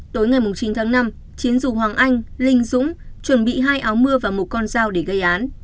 tối ngày chín tháng năm chiến dù hoàng anh linh dũng chuẩn bị hai áo mưa và một con dao để gây án